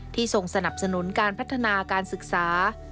ทรงสนับสนุนการพัฒนาการศึกษา